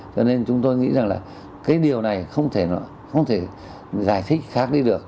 cho nên chúng tôi nghĩ rằng là cái điều này không thể giải thích khác đi được